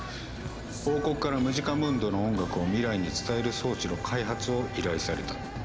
「王国からムジカムンドの音楽を未来に伝える装置の開発を依頼された。